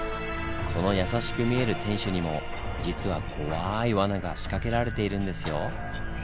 この優しく見える天守にも実は怖い罠が仕掛けられているんですよ。